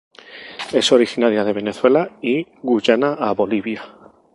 Es originaria de Venezuela y Guyana a Bolivia.